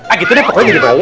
ah gitu deh pokoknya jadi tau